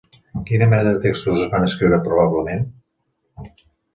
Quina mena de textos es van escriure probablement?